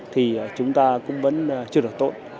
thì chúng ta cũng vẫn chưa được tốt